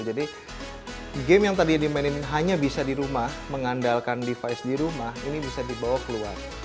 jadi game yang tadi dimainin hanya bisa di rumah mengandalkan device di rumah ini bisa dibawa keluar